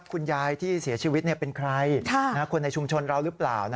คุณยายที่เสียชีวิตเป็นใครคนในชุมชนเราหรือเปล่า